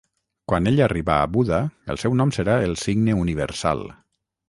Quan ell arriba a buda el seu nom serà el Signe Universal.